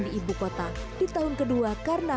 di ibu kota di tahun kedua karena